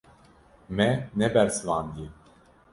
Me nebersivandiye.